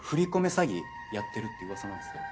詐欺やってるって噂なんすよ。